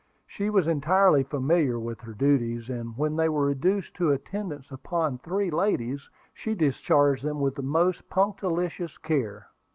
She was entirely familiar with her duties, and when they were reduced to attendance upon three ladies, she discharged them with the most punctilious care.